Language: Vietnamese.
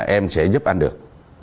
em sẽ giúp anh được